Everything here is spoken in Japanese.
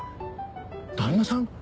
旦那さん？